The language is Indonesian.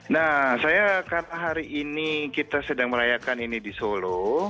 nah saya karena hari ini kita sedang merayakan ini di solo